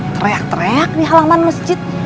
teriak teriak di halaman masjid